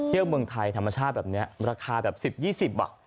เที่ยวเมืองไทยธรรมชาติแบบนี้ราคาแบบ๑๐๒๐บาท